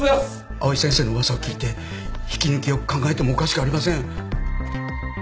藍井先生の噂を聞いて引き抜きを考えてもおかしくありません。